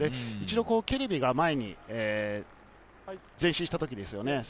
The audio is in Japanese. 一度、ケレビが前に前進した時ですよね。